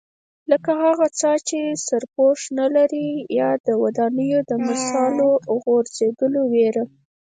لکه هغه څاه چې سرپوښ نه لري یا د ودانیو د مسالو غورځېدو وېره.